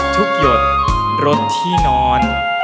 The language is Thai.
หยดรถที่นอน